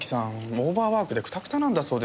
オーバーワークでクタクタなんだそうです。